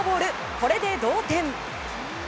これで同点。